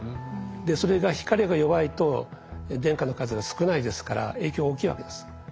それが光が弱いと電荷の数が少ないですから影響大きいわけです。